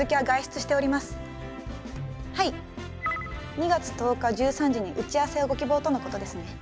２月１０日１３時に打ち合わせをご希望とのことですね。